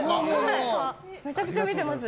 めちゃくちゃ見てます。